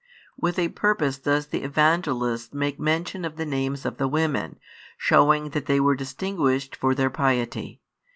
With a purpose does the Evangelist make mention of the names of the women, showing that they were distinguished for their piety.